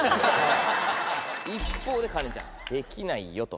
一方でカレンちゃん「できないよ」と。